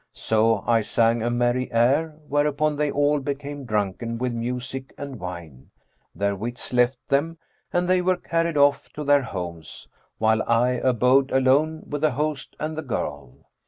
So I sang a merry air, whereupon they all became drunken with music and wine, their wits left them and they were carried off to their homes, while I abode alone with the host and the girl.